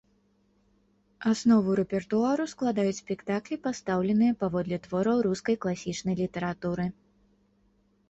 Аснову рэпертуару складаюць спектаклі, пастаўленыя паводле твораў рускай класічнай літаратуры.